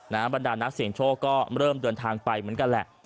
บรรดานักเสียงโชคก็เริ่มเดินทางไปเหมือนกันแหละ